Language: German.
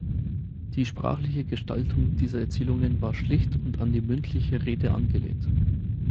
Die sprachliche Gestaltung dieser Erzählungen war schlicht und an die mündliche Rede angelehnt.